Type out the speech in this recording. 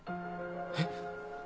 えっ？